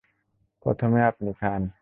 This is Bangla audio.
প্রথমে আপনি খান।